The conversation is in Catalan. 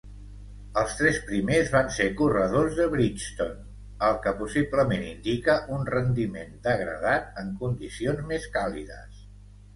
Els tres primers van ser corredors de Bridgestone, el que possiblement indica un rendiment degradat en condicions més càlides.